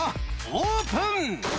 オープン！